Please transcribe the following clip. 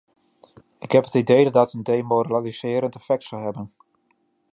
Ik heb het idee dat dat een demoraliserend effect zou hebben.